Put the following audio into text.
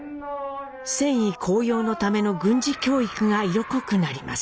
戦意高揚のための軍事教育が色濃くなります。